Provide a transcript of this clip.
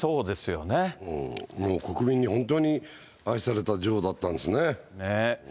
国民に本当に愛された女王だったんですね。